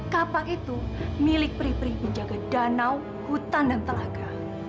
kapak itu milik prih penjaga danau hutan dan telaga